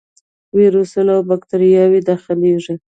ویروسونه او باکتریاوې داخليږي.